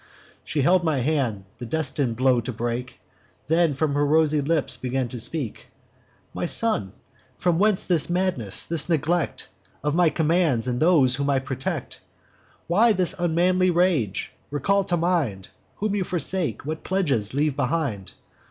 She held my hand, the destin'd blow to break; Then from her rosy lips began to speak: 'My son, from whence this madness, this neglect Of my commands, and those whom I protect? Why this unmanly rage? Recall to mind Whom you forsake, what pledges leave behind.